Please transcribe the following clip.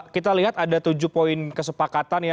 kita lihat ada tujuh poin kesepakatan ya